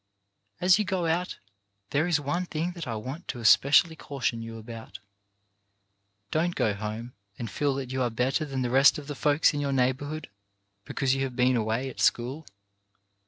As you go out, there is one thing that I want to especially caution you about. Don't go home and feel that you are better than the rest of the folks in your neighbourhood because you have been away at school.